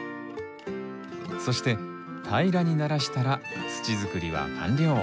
そして平らにならしたら土作りは完了。